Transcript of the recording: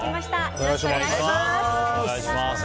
よろしくお願いします。